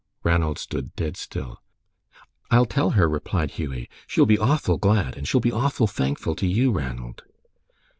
Ranald stood dead still. "I'll tell her," replied Hughie. "She'll be awful glad. And she'll be awful thankful to you, Ranald."